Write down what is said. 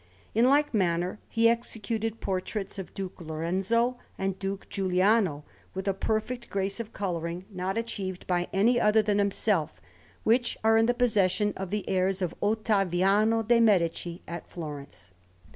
In like manner he executed portraits of Duke Lorenzo and Duke Giuliano, with a perfect grace of colouring not achieved by any other than himself, which are in the possession of the heirs of Ottaviano de' Medici at Florence.